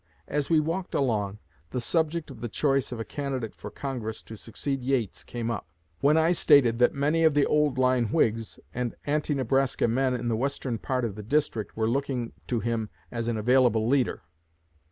As we walked along, the subject of the choice of a candidate for Congress to succeed Yates came up, when I stated that many of the old line Whigs and anti Nebraska men in the western part of the district were looking to him as an available leader.